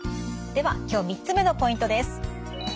では今日３つ目のポイントです。